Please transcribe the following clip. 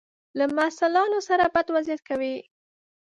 له محصلانو سره بد وضعیت کوي.